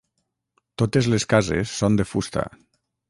Totes les cases són de fusta.